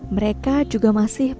mereka juga masih